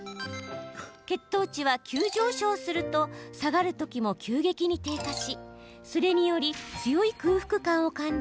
血糖値は急上昇すると下がるときも急激に低下しそれにより強い空腹感を感じ